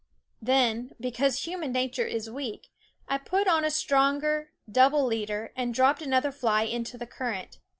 Then, because human nature is weak, I put on a stronger, double leader and dropped another fly into the current.